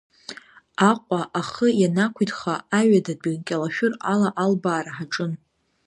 Аҟәа ахы ианақәиҭха Аҩадатәи Кьалашәыр ала албаара ҳаҿын.